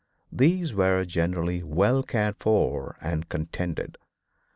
These were generally well cared for and contented.